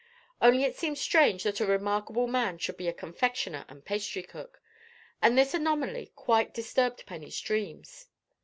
Only it seemed strange that a remarkable man should be a confectioner and pastry cook, and this anomaly quite disturbed Penny's dreams.